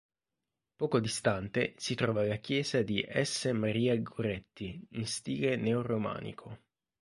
Poco distante si trova la chiesa di S. Maria Goretti, in stile neo-romanico.